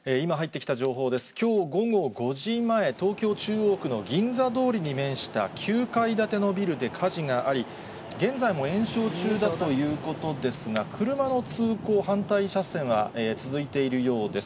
きょう午後５時前、東京・中央区の銀座通りに面した９階建てのビルで火事があり、現在も延焼中だということですが、車の通行、反対車線は続いているようです。